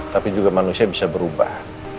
tapi juga manusia bisa berubah